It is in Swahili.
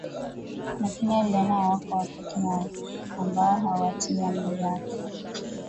lakini aliona hawakuwa peke yao ambao hawatii amri yake